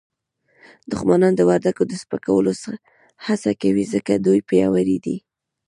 دښمنان د وردګو د سپکولو هڅه کوي ځکه دوی پیاوړي دي